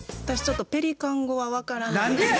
私ちょっとペリカン語は分からないんで。